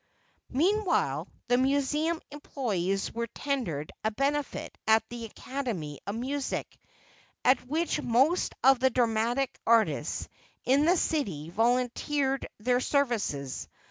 Meanwhile, the Museum employees were tendered a benefit at the Academy of Music, at which most of the dramatic artists in the city volunteered their services.